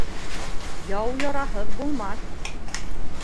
Яу яраһыҙ булмаҫ.